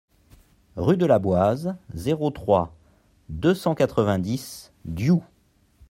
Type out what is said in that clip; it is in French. Rue de la Boise, zéro trois, deux cent quatre-vingt-dix Diou